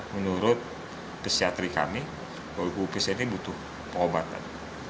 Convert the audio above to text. menurut psiatri kami ibu pc ini butuh pengobatan